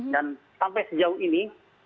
dan sampai sejauh ini